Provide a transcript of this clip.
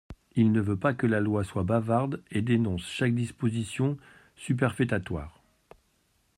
Il ne veut pas que la loi soit bavarde et dénonce chaque disposition superfétatoire.